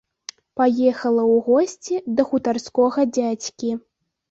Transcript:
Паехала ў госці да хутарскога дзядзькі.